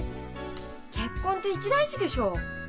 結婚って一大事でしょう。